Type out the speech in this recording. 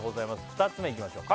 ２つ目いきましょう